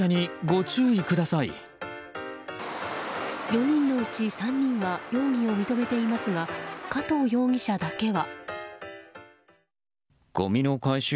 ４人のうち３人は容疑を認めていますが加藤容疑者だけは。